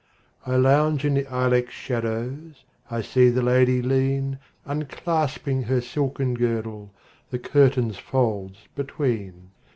I lounge in the ilex shadows,I see the lady lean, Unclasping her silken girdle, The curtain's folds between.